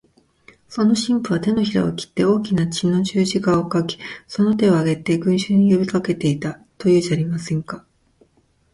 その神父は、てのひらを切って大きな血の十字架を書き、その手を上げて、群集に呼びかけていた、というじゃありませんか。